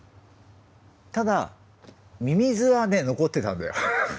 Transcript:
ただミミズはね残ってたんだよ。